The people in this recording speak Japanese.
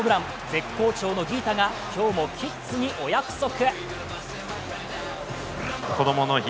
絶好調のギータが今日もキッズにお約束。